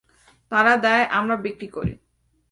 তারা দেয় আমরা বিক্রি করি।